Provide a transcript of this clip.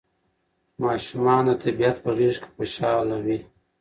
ماشومان د طبیعت په غېږ کې خوشاله وي.